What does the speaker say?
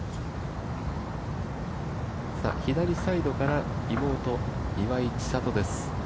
左サイドから妹・岩井千怜です。